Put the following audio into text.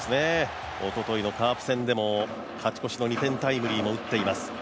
おとといのカープ戦でも勝ち越しの２点タイムリーを打っています。